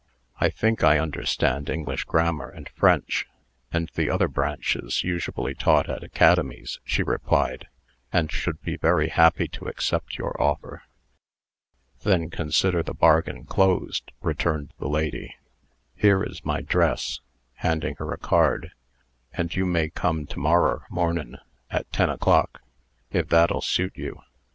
"I think I understand English grammar, and French, and the other branches usually taught at academies," she replied, "and should be very happy to accept your offer." "Then consider the bargain closed," returned the lady. "Here is my 'dress" (handing her a card), "and you may come to morrer mornin', at ten o'clock, if that'll suit you.